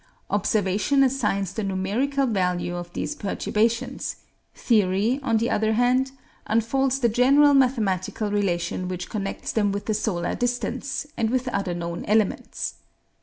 Observation assigns the numerical value of these perturbations; theory, on the other hand, unfolds the general mathematical relation which connects them with the solar distance and with other known elements.